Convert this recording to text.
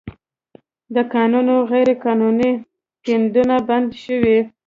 د کانونو غیرقانوني کیندنه بنده شوې